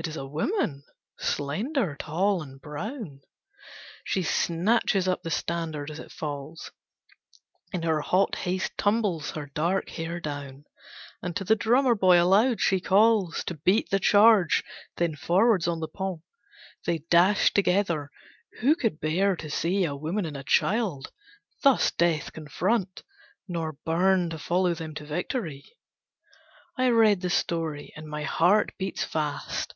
It is a woman, slender, tall, and brown! She snatches up the standard as it falls, In her hot haste tumbles her dark hair down, And to the drummer boy aloud she calls To beat the charge; then forwards on the pont They dash together; who could bear to see A woman and a child, thus Death confront, Nor burn to follow them to victory? I read the story and my heart beats fast!